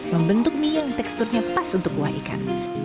membentuk mie yang teksturnya pas untuk kuah ikan